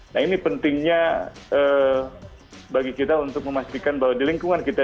nah ini pentingnya bagi kita untuk memastikan bahwa di lingkungan kita